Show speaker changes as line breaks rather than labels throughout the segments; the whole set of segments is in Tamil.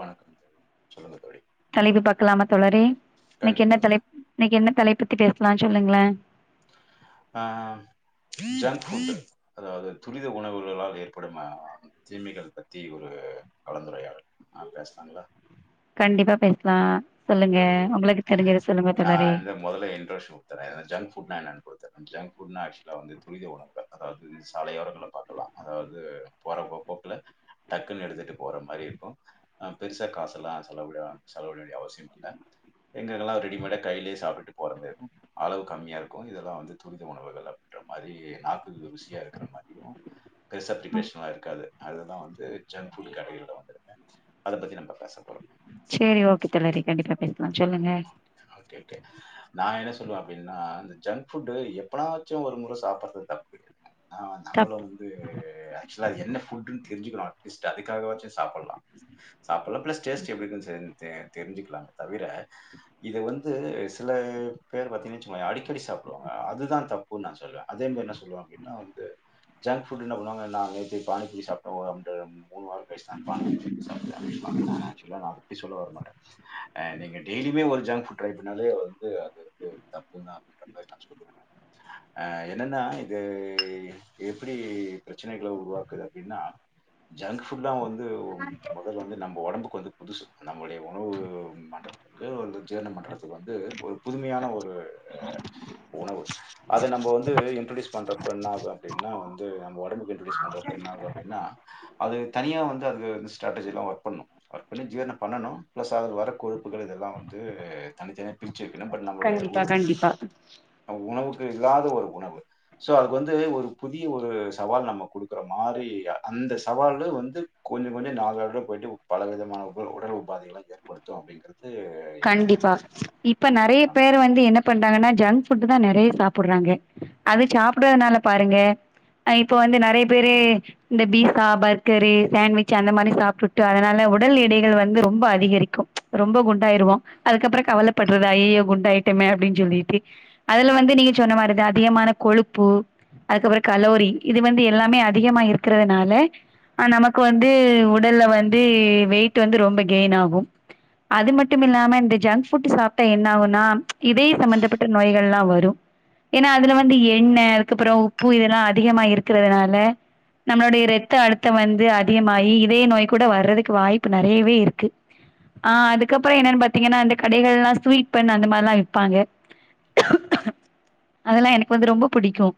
வணக்கம் தோழி சொல்லுங்க தோழி
தலைப்பு பாக்கலாமா தோழரே இன்னைக்கு என்ன
கண்டிப்பாங்க
தலைப்- இன்னைக்கு என்ன தலைப் பத்தி பேசலாம்னு சொல்லுங்களே
ஆஹ் ஜங்க்ஃபுட் அதாவது துரித உணவுகளால் ஏற்படும் தீமைகள் பத்தி ஒரு கலந்துரையாடல் ஆஹ் பேசலாங்களா
கண்டிப்பா பேச
அப்டியா ஓகே
சொல்லுங்க
நான்
தோழரே
வந்து மொதல்ல இன்ட்ரோடக்‌ஷன் குடுத்தர்றேன் அதாது ஜங்க்ஃபுட்னா என்னன்னு குடுத்ர்தறேன் ஜங்க்ஃபுட்னா ஆக்சுவலா வந்து துரித உணவுகள் அதாவது சாலையோரங்கள்ல பார்க்கலா அதாவது போற போக்குல டக்குன்னு எடுத்துட்டு போற மாரியிருக்கோ பெருசா காசெல்லா செலவுடியா செலவிட வேண்டிய அவசியோ இல்ல எங்கெங்கல்லா ரெடிமேடா கையிலயே சாப்டுட்டு போறது அளவு கம்மியாயிருக்கோ இதெல்லா வந்து துரித உணவுகள்ல அப்டின்ற மாதிரி நாக்கு ருசியாயிருக்குற மாதிரியோ ரிசப்டிபேஷன்லாயிருக்காது அதெல்லாம் வந்து ஜங்க் ஃபுட் கடைகள்ல வந்திருப்பே அத பத்தி நம்ம பேச போறோ
சேரி ஓகே தோலரே கண்டிப்பா பேசலா சொல்லுங்க
சொல்லுவே அப்டின்னா இந்த ஜங்க் ஃபுட் எப்பன்னாச்சோ ஒரு முற சாப்புடறது தப்பு கெடையாது ஆஹ்
தப்
நம்மளோ வந்து ஆக்சுவல்லா என்ன ஃபுட்ன்னு தெரிஞ்சுக்களா அட்லீஸடக அதுக்காக வாச்சோ சாப்படலா [unintelligible] தெரிஞ்சு க்கலானே தவிர இது வந்து சில பேர் பாத்தீங்க வெச்சுக்கோங்களே அடிக்கடி சாப்புடுவாங்க அதுதா தப்பு நா சொல்லுவே அதேமாரி என்ன சொல்லுவே அப்டின்னா வந்து ஜங்க் ஃபுட்டுன்னா என்ன பண்ணுவாங்கன்னா நேத்து பாணி பூரீ சாப்டோ வந்து மூணு வாரோ கழிச்சுதா பாணி பூரீ சாப்டே அப்டின்னுவாங்க நானு ஆக்க்ஷுவல்லா நா அத அப்டி சொல்ல வரமாட்டே அ நீங்க டெய்லியுமே ஒரு ஜங்க்புட் ட்ரை பண்ணாலே வந்து அது வந்து தப்புன்னுதா அப்டின்ற மாரி நா சொல்லுவே ஆ எனன்னா இது எப்டி பிரச்சனைகள உருவாக்குது அப்டின்னா ஜங்க்புட்டா வந்து வந்து மொதல்ல வந்து நம்ம ஒடம்புக்கு வந்து புதுசு நம்ளோடைய உணவு மண்டலம்யிருக்கு அ ஜீரண மண்டலத்துக்கு வந்து ஒரு புதுமையான ஒரு உணவு அத நம்ம வந்து இன்ட்டுருடீயூஸ் பண்ற அப்ப [unintelligible] அப்டின்னா வந்து நம்ம ஒடம்புக்கு பண்றப்ப என்னாகோ அப்டின்னா அது தனியா வந்து அது ஸ்ட்ராடர்ஜிலா ஒர்க் பண்ணு ஒர்க் பண்ணி ஜீரணோ பண்ணனோ ப்ளஸ் கொழுப்புகள் இதெல்லாம் வந்து த இஜப்பி புடிச்சுயிருக்குன்னு பட் நம்மளோடைய
கண்டிப்பா
ஊரு
கண்டிப்பா
உணவு எதாவது ஒரு உணவு சோ அதுக்கு வந்து ஒரு புதிய ஒரு சவால் நம்ம குடுக்குற மாரி அந்த சவால்லு வந்து கொஞ்சோ கொஞ்சோ நாளடைவுல போய்ட்டு பலவிதமாக உப் உடல் உபாதைகள தரும் கொடுத்தோம் அப்டீங்குறது
கண்டிப்பா இப்ப நெறைய
ஆமா.
பேர் வந்து என்ன பண்றாங்கன்னா ஜங்க் ஃபுட் தா நெறைய சாப்புடுறாங்க அது சாப்புடுறதுனால பாருங்க இப்ப வந்து நெறைய பேரு இந்த பீசா பர்கரு சாண்விச்சு அந்த மாரி சாப்டுட்டு அதனால உடல் இடைகள் வந்து ரொம்ப அதிகரிக்கோ ரொம்ப குண்டா யிருவோ அதுக்கப்றோ கவல படுறதாயி குண்டா ஆயிட்டோமே அப்டினு சொல்லிட்டு அதுல வந்து நீங்க சொன்ன மாரிதா அதிகமான கொழுப்பு அதுக்கப்றோ கலோரி இது வந்து எல்லாமே அதிகமா இருக்குறதுனால நமக்கு வந்து உடல்ல வந்து வெய்ட் வந்து ரொம்ப கெயின் ஆகும் அதுமட் டும்மில்லாம இந்த ஜங்க் ஃபுட் சாப்டா என்ன ஆகும்னா இதய சம்பந்தப்பட்ட நோய்கள்யெல்லா வரும் ஏன்னா அதுல வந்து எண்ணெய் அதுக்கப்புறோ உப்பு இதெல்லா அதிகமா இருக்குறதுனால நம்மளோடைய ரத்த அழுத்தோ வந்து அதிகமாயி இதய நோய் கூட வர்றதுக்கு வாய்ப்பு நெறையவேயிருக்கு ஆஹ் அது அதுக்கப்பறோ என்னன்னு பாத்தீங்கன்னா இந்த கடைகள்லயெல்லா ஸ்வீட் பண் அந்த மாரியெல்லா விப்பாங்க அதெல்லா எனக்கு வந்து ரொம்ப புடிக்கோம்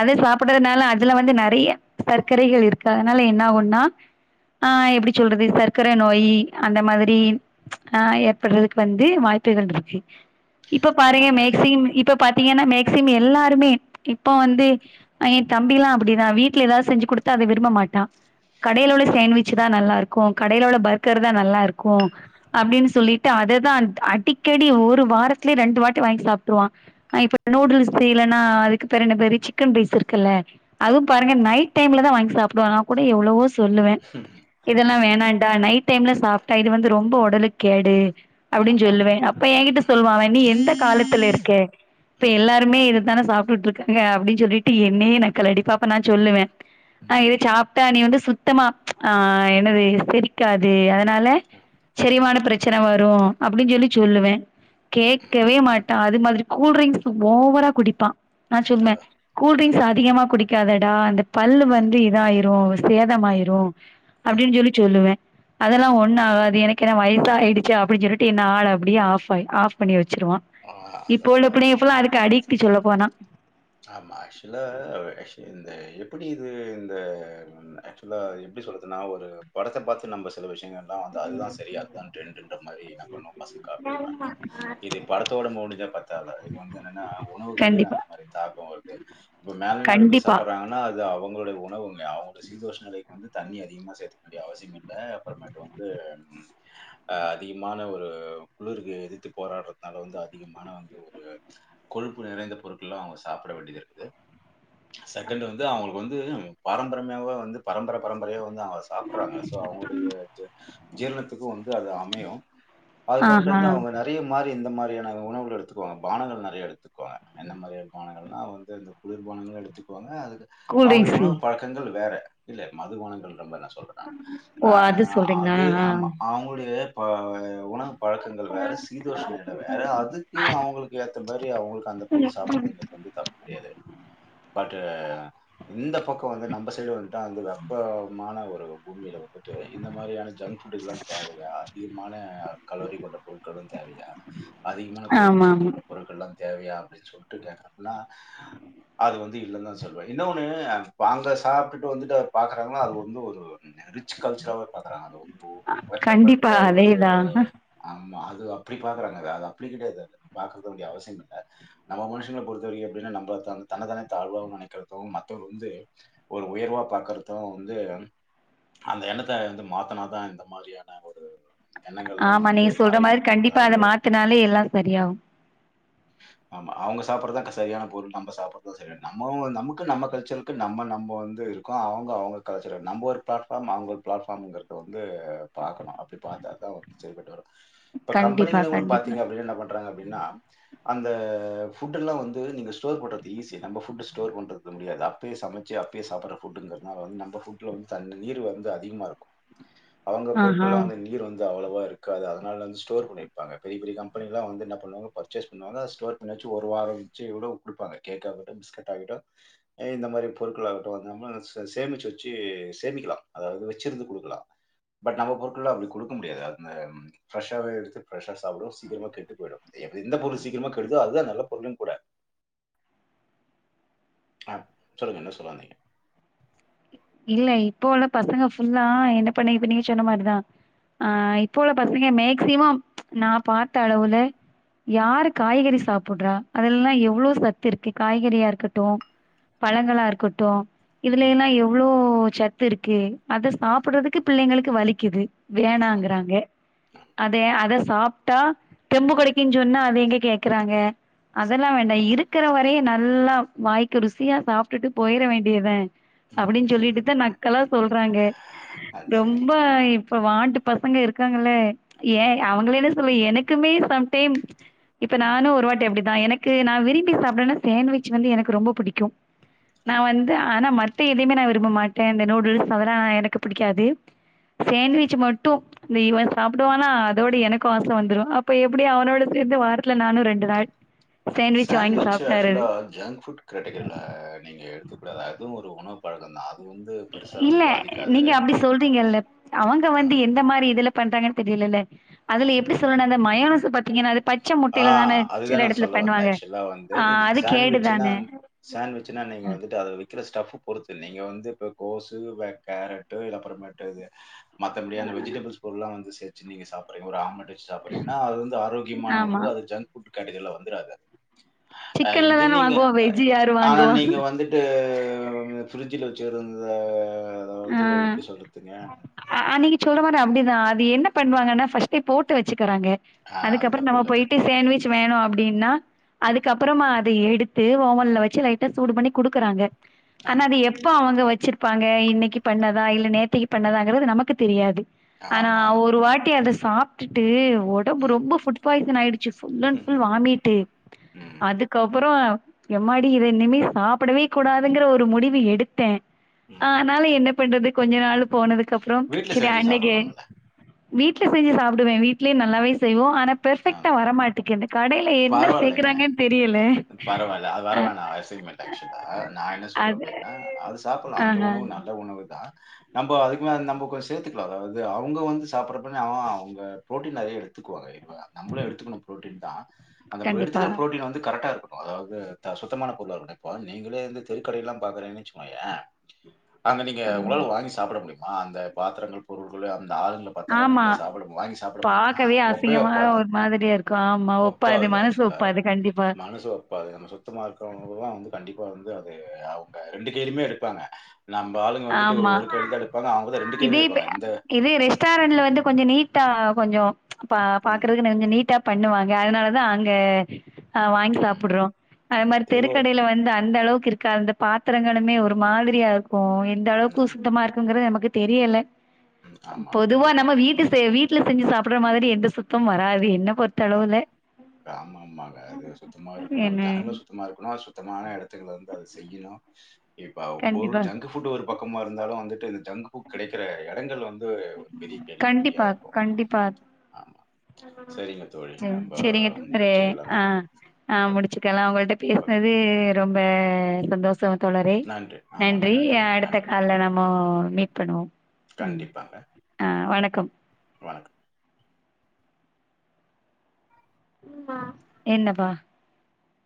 அத சாப்புடுறதுனால அதுல வந்து நெறைய சர்க்கரைகள்யிருக்கு அதனால என்ன ஆகும்னா ஆ எப்டி சொல்றது சர்க்கர நோயி அந்த மாரி ஆ ஏற்படுறதுக்கு வந்து வாய்ப்புகள்யிருக்கு இப்ப பாருங்க
ஆமாங்க.
மேக்சிம் இப்ப பாத்தீங்கன்னா மேக் சிம் எல்லாருமே இப்போ வந்து என் தம்பிலாம் அப்படிதான் வீட்டுல ஏதாவது செஞ்சு கொடுத்தா அதை விரும்ப மாட்டான் கடையிலோ உள்ள சேண்ட்விச் தான் நல்லா இருக்கும் கடையிலோ உள்ள பர்கர் தான் நல்லா இருக்கும் அப்படின்னு சொல்லிட்டு அததான் அடிக்கடி ஒரு வாரத்துல ரெண்டு வாட்டி வாங்கி சாப்பிடுவான இப்ப நூடுல்ஸ் செய்லன்னா அதுக்கு பேரு என்ன பேரு சிக்கன் ரைஸ் இருக்குல்ல அதுவும் பாருங்க
ம்.
நைட் டைம்ல தான் வாங்கி சாப்பிடுவ நான் கூட எவ்வளவோ சொல்லுவேன் இதெல்லாம் வேணாடா நைட் டைம்ல சாப்பிட்டா இது வந்து ரொம்ப உடலு கேடு அப்படின்னு
ஆமா.
சொல்லுவேன் அப்ப ஏன் கிட்ட
ம்,
சொல்லுவ நீ எந்த காலத்துல இருக்க இப்ப
ம்,
எல்லாருமே இததான சாப்பிட்டுட்டு இருக்காங்க அப்படின்னு சொல்லிட்டு என்னையே நக்கலடிப்பா அப்ப நான் சொல்லுவேன் ஆஹ
ம்,
இதை சாப்பிட்டா நீ வந்து சுத்தமா ஆஹ் என்னது செரிக்காது என்னாலே
ம், ம்,
[unintelligible] பிரச்சனை வரும் அப்படின்னு சொல்லி
ம்.
சொல்லுவேன் கேக்கவே மா அது மாதிரி கூல்ரிங்க்ஸ் ஓவரா குடிப்பான் நான் சொல்வேன்
அதான். ம்,
கூல்ரிங்க்ஸ் ஆ அதிகமா குடிக்காதடா அந்த பல்லு
ம்,
வந்து இதான் ஆயிரோ
ம்,
சேதமாயிரோ
ம்,
அப்படின்னு சொல்லி சொல்லுவேன்
ம்.
அதெல்லாம் ஒன்ணு ஆகாது எனக் கென்ன வயசாயிச்சு அப்டின்னு சொல்லிட்டு என்ன ஆள் அப்படியே ஆப்ஆயி ஆப் பண்ணி வச்சிருவான்
ஆ அதான்,
இப்போ உள்ள
அதான், அதான்.
புள்ளிக புள்ள அதுக்கு அடிக்கிட் சொல்ல போனா
ஆமா ஆக்சுவலா இந்த எப்படி இது இந்த ஆக்சுவலா எப்படி சொல்றதுன்னா ஒரு படத்தை பார்த்து நம்ம சில விஷ் [inaudible] வந்து அதுதான் சரி அதுதான் டிரண்டு மாதிரி என்ன பண்ணும் பசம் காப்பிடுப்பாங்க இது படத்தோட மூடிதான் பத்த இது வந்து என்னன்னா உணவுகளையே
கண்டிப்பா
அந்த மாரி [unintelligible] இப்ப மேல நாடு [unintelligible] எடுக்கு
கண்டிப்பா
சாப்படுறாங்கன்னா அது அவங் அவங்களுடைய உணவு அவங்கடைய சீதோஷ நிலைக்கு வந்து தண்ணி அதிகமா சேர்த்து வேண்டிய அவசியம் இல்லை அப்புறமேட்டு வந்து அதிகமான ஒரு குளிருக்கு எதிர்த்து போராடுறதுனால வந்து அதிகமான வந்து ஒரு கொழுப்பு நிறைந்த பொருட்கள் எல்லாம் அவங்க சாப்பிட வேண்டியது இருக்குது செகண்ட் வந்து அவங்களுக்கு வந்து பாரம்பரியமாவ வந்து பரம்பரை பரம்பரையா அவங்க சாப்பிடுறாங்க சோ அவங்களுடைய ஜீரணத்துக்கு வந்து அது அமையும் அதுக்கப்புற
ஆஹா
வந்து அவங்க நறைய மாறி மாதிரியான உணவு எடுத்துக்குவாக பானங்கள் நறைய எடுத்துக்குவாக மாதிரி எடு பானங்கலாம் வந்து அந்த குளிர்பானங்களாம் எடுத்துக்குவாங்க அதுக்கு அவங்க
கூல்ட்ரிங்க்ஸு
உணவு பழக்கங்கள் வேற இல்ல மதுபாணங்கள் ரொம்ப நஷ் [unintelligible]
ஓ
ஆ
அது சொல்றீங்களா
அது ஆமா
ஆ
அவங்களுடைய ஆ உனா பழக்கங்கள் வேற சீதோஷன்டை வேற அதுக்கு அவங்களுக்கு ஏற்ற மாரி அவங்களுக்கு அந்த பொரு
ஆமா
சாப்பிடுறதுங்க தப்பு கிடையாது பட்டு இந்த பக்கம் பந்து நம்ம சைடு வந்து வெப்பமான ஒரு பூமியில வந்துட்டு இந்த மாதிரியான ஜந் பட்டிகல்லாம் தேவையா அதி கல்லோரி கொண்ட பொருட்கள் வந் தேவையா அதிகமான கொழுப்பு
ஆமா
சத்து உள்ள பொருட்கள்லா தேவையா அப்பிடின் சொல்ட்டு கேக்குறாங்க நா அது வந்து இல்ல தான் சொல்லுவேன் இன்னொன்னு அங்க சாப்பிட்டுட்டு வந்துட்டு பாக்குறாங்கன்னா அது வந்து ஒரு ரிச் கல்ச்சராவே பாக்குறாங்க அது வந்து உ
அ கண்டிப்பா
உயர்த்தப்பட்ட ஒரு
அதேதா
ஆமா. அது அப்படி பாக்குறாங்க அது அப்படி கிடையாது பாக்கவேண்டியது அவசியம் இல்ல நம்ம மனுஷங்கள பொறுத்து பொறுத்தவரைக்கும் எப்டின்னா நம்ப தன் தன்னத்தானே தாழ்வா நெனைக்கிறதும் மத்தவங்க வந்து ஒரு உயர்வா பாக்குறதும் வந்து அந்த எண்ணத்த வந்து மாத்துனாதா இந்த மாரியான ஒரு எண்ணங்கள்லாம்
ஆமா
வந்து
நீங்க சொல்ற
மறையும்.
மாரி கண்டிப்பா
அதாவது
அதை மாத்தினாலே எல்லா சரியாகு
ஆமா அவங்க சாப்படுறதுதா க சரியான பொருள் நம்ம சாப்படுறதும் சரியானது நம்ம நமக்கு நம்ம கல்ச்சர்க்கு நம்ம நம்ப வந்து இருக்கோ அவங்க அவங்க கல்ச்சர் நம்ப ஒரு பிளாட்ஃபார்ம் அவங்க ஒரு பிளாட்ஃபார்ம்ங்கறத வந்து பாக்கணு அப்டி பாத்தாதா செரிப்பட்டு வரு இப்ப
கண்டிப்பா
கம்பெனிகள்ல கூட
கண்டிப்பா
பாத்தீங்க அப்டின்னா என் பண் பண்றாங்க அப்டின்னா அந்த ஃபுட்டெல்லா வந்து நீங்க ஸ்டோர் பண்றது ஈஸி நம்ம ஃபுட்டு் ஸ்டோர் பண்றது முடியாது அப்பயே சமைச்சு அப்பயே சாப்பிட்ற ஃபுட்டுங்கிறதுனால வந்து நம்ம ஃபுட்ல வந்து தண்ணி நீர் வந்து அதிகமா இருக்கு அவங்க
ஆஹா
பொருட்கலாம் வந்த நீர் வந்து து அவ்ளவா இருக்காது அதனால வந்து ஸ்டோர் பண்ணி இருப்பாங்க பெரிய பெரிய கம்பெனிலாம் வந்து என்ன பண்ணுவாங்க பர்ச்சேஸ் அது நால ஸ்டோர் பண்ணி வச்சி ஒரு வாரம் வச்சி எவ்ளோக் குடுப்பாங்க கேக் ஆகட்டும் பிஸ்கட் பாக்கெட்டொ ஏ இந்த மாரி பொருட்கள் ஆகட்டும் வந்து நம்மலு சேமிச்சி வச்சி சேமிக்கலாம் அதாவது வச்சிருந்து குடுக்கலாம் பட் நம்ம பொருட்களாம் அப்டி குடுக்க முடியாது அது மா ம் ஃப்ரெஷாவே எடுத்து ஃப்ரெஷா சாப்ட்டுவோம் சீக்கிரமா கெட்டு போய்டும் [unintelligible] எந்த பொருள் சீக்கிரமா கெடுதோ அதுதா நல்ல பொருளும் கூட அஹ் சொல்லுங்க என்ன சொல்லவந்தீங்க
இல்ல இப்போ உள்ள பசங்க ஃபுல்லா என்ன பண்ணிருது நீங்க சொன்ன மாரிதா அஹ் இப்போ உள்ள பசங்க மேக்சிமம் நா பாத்த அளவுல யாரு காய்கறி சாப்பிடுறா அதுலல்லா எவ்ளவு சத்து இருக்கு காய்கறியா இருக்கட்டு பழங்களா இருக்கட்டு
ம்.
இதுலெல்லாம் எவ்ளோ ஓ சத்து இருக்கு அத சாப்பிடுறதுக்கு பிள்ளைங்களுக்கு வலிக்குது
ஆமா.
வேணாங்கறாங்க
ஆமா.
அத அத சாப் டா தெம்பு
ம்.
கெடைக்குன்னு சொன்ன அது எங்க கேக்குறாங்க அதெல்லாம் வேண்டாம் இருக்கிற வரைய நல்லா வாய்க்கு ருசியா சாப்பிட்டுட்டு போயிட வேண்டியத
ம்.
அப்டின்னு
ம்.
சொல்லிட்டுதா நக்கலா சொல்றாங்க
அது சரி.
ரொம்ப இப்ப வாண்டு பசங்க இருக்காங்களே
ம்.
ஏன் அவங்களைன்னு சொல்லல எனக்குமே சம் சேம் இப்ப
ம்.
நானும் ஒரு வாட்டி அப்படிதான் நான் எனக்கு நான் விரும்பி சாப்பிடேனா சாண்ட்விச் வந்து எனக்கு ரொம்ப பிடிக்கும்
ஆமா.
நான் வந்து ஆனா ம மந்த எதையுமே நான் விரும்ப மாட்டேன் இந்த நூடுல்ஸ் அதெல்லாம் எனக்கு பிடிக்காது சாண்ட்விச் மட்டும் இவன் சாப்பிடுவான் ஆ அதோட எனக்கும் ஆசை வந்துடும் இப்ப எப்டி அவனோட சேந்து வாரத்துல நானும் ரெண்டு நாள் சேண்ட்விச் வாங்கி
சாண்ட்விச்
சாப்பிட்டர்றது.
ஆக்சுவலா ஜங்க் புட் கேட்டகரில நீங்க எடுத்துக்க கூடாது அதுவும் ஒரு உணவு பழக்கோ தா
இல்ல நீங்க அப்படி சொல்றீங்கல்ல அவங்க வந்து
ஆமா,
எந்த மாதிரி இதுல பன்றாங்கானு தெரியலழ அதுல எப்டி சொல்ல அந்த [unintelligible] அது பச்சை முட்டையில தானே
ஆஹ்
சில
அதுதான் நான்
இடத்துல
சொல்ல வந்தேன்
பண்ணுவாங்க.
ஆக்சுவலா வந்து
ஆ
நீ
அது கேடு
சாண்ட்விச்னா
தானே.
சாண்ட்விச்னா நீங்க வந்துட்டு அத ஸ்டஃப்பு பொறுத்து நீங்க வந்து இப்ப கோசு இல்ல கேரட்டு இல்ல அப்புறமேட்டு மத்தபடியான வெஜிடபிஸ் பொருலாம் வந்து வச்சு நீங்க சாப்பிடுறிங்க ஒரு ஆம்லட் வச்ச சாப்பறீங்கன்னா அது வந்து விமான
ஆமா.
உணவு அது ஜங்க்பூட் கடசில வந்துறாத அஹ்
சிக்கன்ல
இது
தானே
நீங்க
வாங்குவோம். வெஜ் யாரு
ஆனா
வாங்குவா?
நீங்க வந்துட்டு [unintelligible] ஃபரிட்ஜில் வச்சுருந்தா
அ அன் அன்னிக்கி சொல்ல மாட் அப்டிதான் அது என்ன பண்ணுவாங்கன்னா ஃபர்ஸ்ட்டே போட்டு வச்சுட்டு இருறாங்க
ஆ அது
அதுக்கப்புறம்
தப்பு
நம்ம
இல்ல அது.
போயிட்டு சேண்ட்விச் வேணும் அப்படின்னா அதுக்கப்புறமா அதை எடுத்து ஓவன்ல வச்சு னைநட்டால சூடு பண்ணி குடுக்குறாங்க ஆனா
ஆமா.
அது எப்ப அவங்க வச் வச்சிருப்பாங்க இன்னைக்கு இப்ப பண்ணதா இல்ல நோத்திக்கி பண்ணதாங்குகிறது நமக்கு தெரியாது ஆனா
ஆமாமா.
ஒரு வாட்டி அத ஸ் சாப்ட்டுட்டு உடம்ப
ம்.
ரொம்ப பூட் பாய்சன் ஆயிடுச்சு ஃபூல்ன் ஃபூல் வாமிட்டு
ம்.
அதுக்கப்றம் எம்மாடி இதை இனிமே சாப்புடவே கூடாதுனு ஒரு முடிவு எடுத்தேன்
ம்.
அஹ என்ன பண்றது கொஞ்ச நாள் போனதுக்கு அதுக்கப்புறம்
வீட்ல
சரி
செஞ்சு
அண்னைக்கு
சாப்பிடலாம்ல.
வீட்டுல செஞ்சு சாப்பிடுவேன் வீட்டு ட்லியே நல்லாவே
ம்.
செய்வோம் ஆன
ஆ
பெர்ஃபெக்டா வர மாட்டிக்குது
பரவாயில்லங்க பரவாயில்ல அது
அ
பரவாயான வயசக்குமல ஆக்சுவலா நான் என்ன சொல்லுவேன்
அது
அப்படின்னா அது சாப்பிடலாம் அந்த
ஆஹா.
உணவு நல்ல உணவு தா நம்ப அதுக்குமேல நம்ப கொஞ்சம் சேத்துகலாம் அதாவது அவங்க வந்து சாப்புரப்பலா அவங்க ப்ரோட்டியின் நறைய எடுத்துக்குவாங்க இப்ப நம்பளும் எடுத்துகனும் ப்ரோட்டின் தான் அந்த
கண்டிப்பா.
எடுக்கிற ப்ரோட்டன் வந்து கரெக்டா இருக்கும் அதாவது சுத்தமான பொருளாக இருக்கணும் இப்போ நீங்களே வந்து தெருக்கடைய எல்லாம் பாக்குறீங்கன்னு வைச்சுகியேன் அங்க நீங்க
ஆ.
இவ்ளவு வாங்கி சாப்ட முடியும் ஆ அந்த பாத்திரங்கள் பொருள்கள [inaudible] [inaudible] பாத்த
ஆமா.
ஆளும் சாப்பு வாங்கி சாப்புட முடியுமா
பாக்கவே
ஒப்போ
அசிங்கமா
ஒப்பாது
ஒரு மாதிரியா இருக்கும். ஆமா.
ஒப்பாது
மனசு
ஆக்சுவலா
ஒப்பாது. கண்டிப்பா.
மனசு ஒப்பாது நம்ம சுத்தமா இருக்குறவங்கெல்ல வந்த கண்டிப் இப்ப வந்து அத அவுங்க ரெண்டு பேருமே எடுப்பாங்க நம்ப ஆளுங்க வந்துட்டு
ஆமா.
ஒரு கையில தான் எடுப்பாங்க அவுங்கதான் ரண்டு
இதே
கையிமே
இப்ப
எப்பாங்க இந்த
தா கொஞ்சோ ப
ம்,
பாக்குறதுகு கொஞ்ச நீட்டா பண்ணுவாங்க அதனாலதா அங்க அஹ் வாங்கி
ம்,
சாப்புறோம் அது
ம்.
மாரி
தெருவ
தெருக்கடையில வந்து அந்த அளவுக் இருக்காது அந்த பாத்திரங்கேளுமே ஒரு மாதிரியா இருக்கும் இந்தந்த
ம்
அளவுக்கு
ஆமா,
சுத்தமா இருக்குங்கிறது எமக்கு துக்கு தெரியல
ம் ஆமா.
பொதுவா
கண்டிப்பா.
நம்ம வீட்டு சேவிப் வீட்டுல செஞ்சு சாப்புடுற மாதிரி எந்த சுத்தம் வராது என்ன பொறுத்தளவுல
ஆமா ஆமாங்க அது சுத்தமா இருக்கணு
என்ன
ஜனங்க சுத்தமா இருக்குணு சுத்தமான இடத்துங்கள வந்து அத செய்யணு இப்ப அவஃபுட்
கண்டிப்பா
ஜங்கு புட் ஒரு பக்கமா இருந்தாலு வந்துட்டு பங்கு கெடைக்கிற இடங்கள் வந்து ஒரு பெரிய கேள்விக்குறியா
கண்டிப்பா
இருக்கு ஆமா சரிங்க தோழி.
[inaudible] செரி
நம்ப
செரிங்க [inaudible]
முடிச்சுக்கலாங்க.
ஆ ஆ
ஓகே,
முடிச்சுக்கலாம் அவுங்களுட்ட
ஓகே.
பேசினதே ரொம்பா சந்தோஷ் சோ தோழரே
நன்றி. ஆமாங்க.
நன்றி
நன்றிங்க.
அடுத்த
நன்றி.
காலரமோ மே கணு ம்
கண்டிப்பாங்க.
ஆஹ் வணக் கம்
வணக்கம்
ம்மா என்னபா